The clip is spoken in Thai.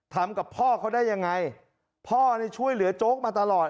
ทำกับพ่อเขาได้ยังไงพ่อเนี่ยช่วยเหลือโจ๊กมาตลอด